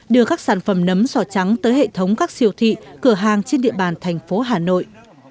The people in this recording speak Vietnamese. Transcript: đưa các sản phẩm nấm sò trắng tới hệ thống các siêu thị cửa hàng trên địa bàn thành phố hà nội